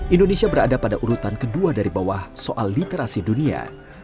indonesia berada pada urutan kedua dari bawah soal literasi dunia